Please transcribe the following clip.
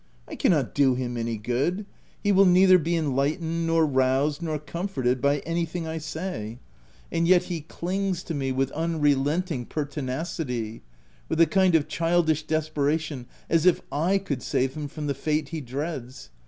— I cannot do him any good ; he will neither be enlightened, nor roused, nor comforted by anything I say ; and yet he clings to me with unrelenting pertinacity — with a kind of childish desperation, as if /could save him from the fate he dreads.